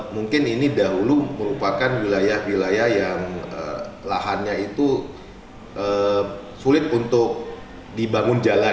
mungkin ini dahulu merupakan wilayah wilayah yang lahannya itu sulit untuk dibangun jalan